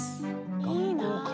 いいな！